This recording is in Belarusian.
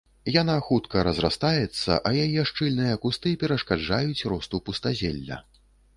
Яна хутка разрастаецца, а яе шчыльныя кусты перашкаджаюць росту пустазелля.